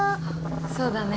そうだね。